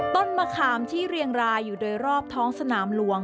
ต้นมะขามที่เรียงรายอยู่โดยรอบท้องสนามหลวง